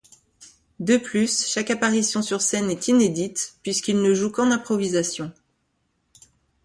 De plus, chaque apparition sur scène est inédite puisqu'il ne joue qu'en improvisation.